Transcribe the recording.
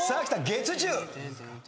月１０。